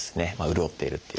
潤っているっていう。